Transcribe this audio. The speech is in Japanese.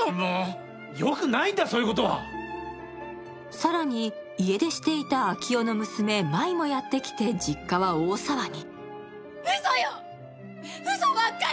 更に、家出していた昭夫の娘・舞もやってきて実家は大騒ぎ。